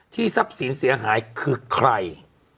ทรัพย์สินเสียหายคือใคร